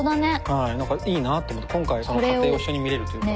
はい何かいいなと思った今回その過程を一緒に見れるというか。